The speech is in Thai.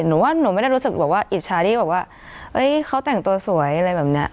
หนูว่าหนูไม่ได้รู้สึกแบบว่าอิจฉาที่แบบว่าเขาแต่งตัวสวยอะไรแบบนี้